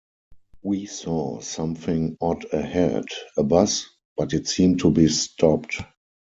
We saw something odd ahead - a bus, but it seemed to be stopped.